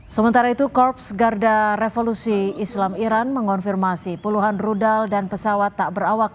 sementara itu korps garda revolusi islam iran mengonfirmasi puluhan rudal dan pesawat tak berawak